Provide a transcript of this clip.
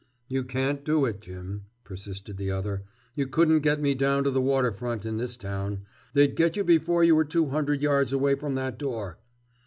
"You can't do it, Jim," persisted the other. "You couldn't get me down to the water front, in this town. They'd get you before you were two hundred yards away from that door."